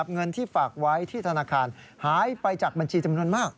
เงินที่ฝากไว้ที่ธนาคารหายไปจากบัญชีจำนวนมาก